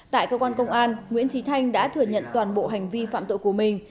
tại cơ quan công an nguyễn trí thanh đã thừa nhận toàn bộ hành vi phạm tội của mình